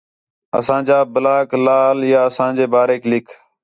اَساں جا بلاگ لال یا اساں جے باریک لِکھ